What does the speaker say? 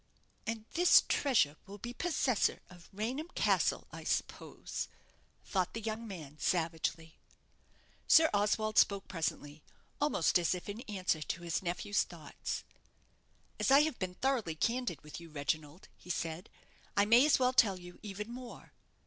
"And this treasure will be possessor of Raynham Castle, I suppose," thought the young man, savagely. Sir Oswald spoke presently, almost as if in answer to his nephew's thoughts. "As I have been thoroughly candid with you, Reginald," he said, "I may as well tell you even more.